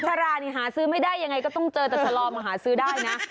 ชารานี่หาซื้อไม่ได้ยังไงก็ต้องเจอแต่ชะลอมาหาซื้อได้นะ